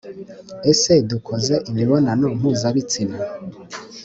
Ese dukoze imibonano mpuzabitsina